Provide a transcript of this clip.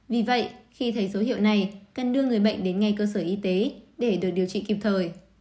vì vậy khi thấy dấu hiệu này cần đưa người bệnh đến ngay cơ sở y tế để được điều trị kịp thời